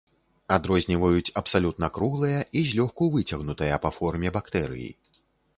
Адрозніваюць абсалютна круглыя і злёгку выцягнутыя па форме бактэрыі.